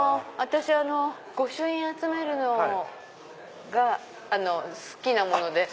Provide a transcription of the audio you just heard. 御朱印集めるのが好きなもので。